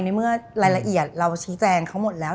ในเมื่อรายละเอียดเราชี้แจงเขาหมดแล้ว